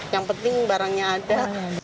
yang penting barangnya ada